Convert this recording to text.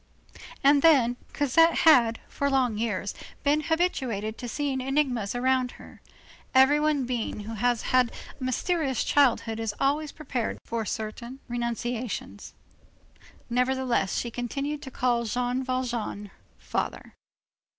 And then, Cosette had, for long years, been habituated to seeing enigmas around her; every being who has had a mysterious childhood is always prepared for certain renunciations. Nevertheless, she continued to call Jean Valjean: Father.